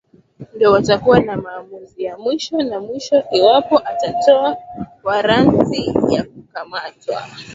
ndio watakuwa na maamuzi ya mwisho iwapo atatoa waranti ya kukamatwa